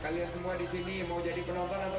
kalian semua disini mau jadi penonton atau pemain